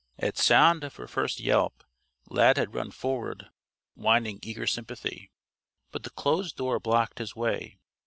At sound of her first yelp, Lad had run forward, whining eager sympathy. But the closed door blocked his way.